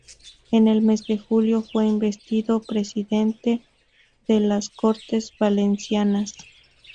En el mes de julio fue investido presidente de las Cortes Valencianas.